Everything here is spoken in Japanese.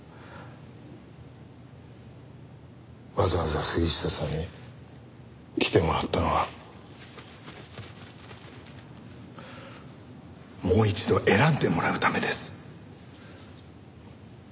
わざわざ杉下さんに来てもらったのはもう一度選んでもらうためです。